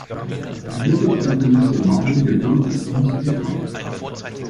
Der mittelalterliche Name der Burg ist nicht bekannt.